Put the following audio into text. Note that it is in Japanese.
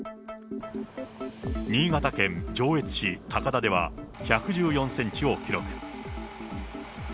新潟県上越市高田では、１１４センチを記録。